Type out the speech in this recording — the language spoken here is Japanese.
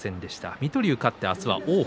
水戸龍、勝って明日は王鵬。